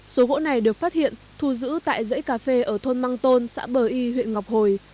số gỗ này được phát hiện thu giữ tại dãy cà phê ở thôn măng tôn xã bờ y huyện ngọc hồi